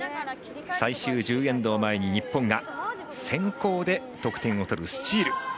最終１０エンドを前に日本が先攻で得点を取るスチール。